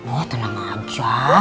oh tenang aja